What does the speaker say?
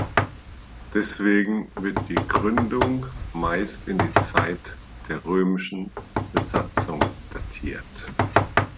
Deswegen wird die Gründung meist in die Zeit der römischen Besatzung datiert.